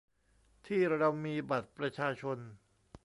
ที่เรามีบัตรประชาชน